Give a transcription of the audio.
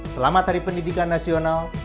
selamat hari pendidikan nasional